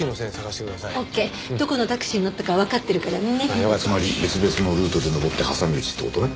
それはつまり別々のルートで登って挟み撃ちって事ね。